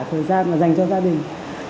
thời gian mà dành cho gia đình